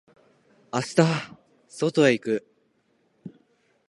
明日外へ行く。